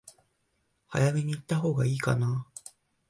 早めに行ったほうが良いかな？